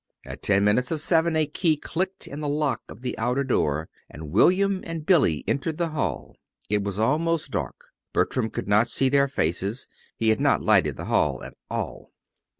At ten minutes of seven a key clicked in the lock of the outer door, and William and Billy entered the hall. It was almost dark. Bertram could not see their faces. He had not lighted the hall at all.